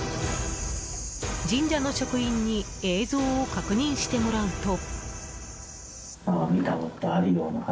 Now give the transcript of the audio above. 神社の職員に映像を確認してもらうと。